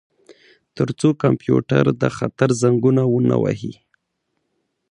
ترڅو کمپیوټر د خطر زنګونه ونه وهي